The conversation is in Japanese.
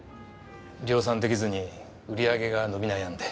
量産できずに売り上げが伸び悩んで。